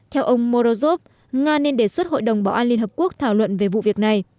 theo ông morozov nga nên đề xuất hội đồng bảo an liên hợp quốc thảo luận về vụ việc này